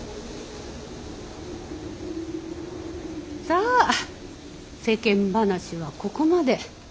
さあ世間話はここまで。